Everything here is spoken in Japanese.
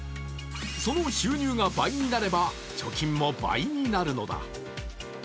その収入が倍になれば、貯金も倍になるのだ。